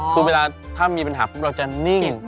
คือเวลาถ้ามีปัญหาปุ๊บเราจะนิ่ง